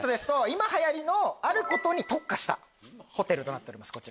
今はやりのあることに特化したホテルとなっております。